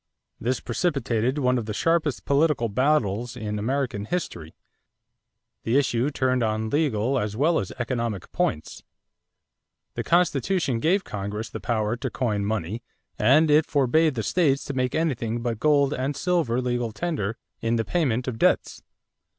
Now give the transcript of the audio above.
This precipitated one of the sharpest political battles in American history. The issue turned on legal as well as economic points. The Constitution gave Congress the power to coin money and it forbade the states to make anything but gold and silver legal tender in the payment of debts.